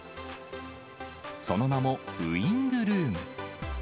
その名もウイングルーム。